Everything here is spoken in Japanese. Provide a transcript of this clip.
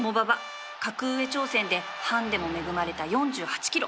格上挑戦でハンディも恵まれた ４８ｋｇ